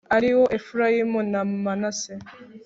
ari wo efurayimu na manase